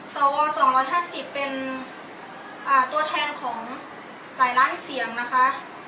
ส่องวอง๒๕๐เป็นตัวแทนของไหลหล่านเสียงนะคะ